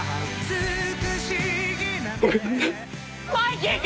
「マイキー君！」